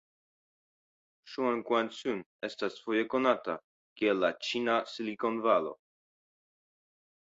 Zhongguancun estas foje konata kiel la "Ĉina Silikonvalo".